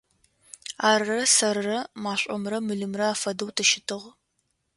Арырэ сэрырэ машӏомрэ мылымрэ афэдэу тыщытыгъ.